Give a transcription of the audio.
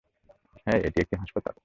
হেই, এটি একটি হাসপাতাল।